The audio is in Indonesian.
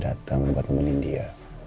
datang buat menindia